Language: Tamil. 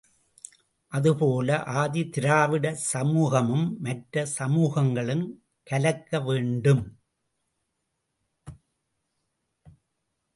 அதுபோல, ஆதி திராவிட சமூகமும் மற்ற சமூகங்களும் கலக்க வேண்டும்.